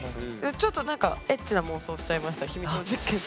ちょっとなんかエッチな妄想しちゃいました秘密の実験って。